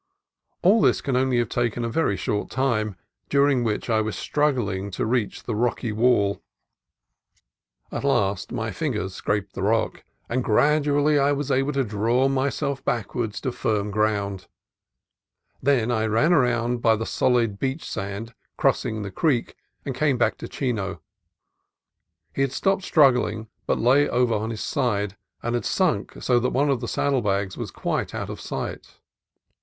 All this can only have taken a very short time, during which I was struggling to reach the rocky wall. 108 CALIFORNIA COAST TRAILS At last my fingers scraped the rock, and gradually I was able to draw myself backwards to firm ground. Then I ran round by the solid beach sand, crossing the creek, and came back to Chino. He had stopped struggling, but lay over on his side, and had sunk so that one of the saddle bags was quite out of sight.